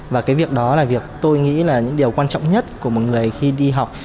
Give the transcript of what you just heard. và cái việc đó là việc tôi nghĩ là những điều quan trọng nhất của một người khi đi học